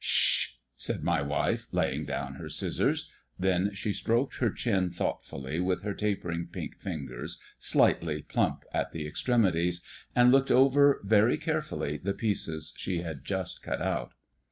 "Sh h h!" said my wife, laying down her scissors. Then she stroked her chin thoughtfully with her tapering pink fingers, slightly plump at the extremities, and looked over very carefully the pieces she had just cut out.